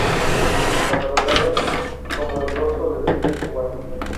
Catalogada como "El Rostro del Cine Cubano".